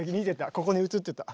ここに映ってた。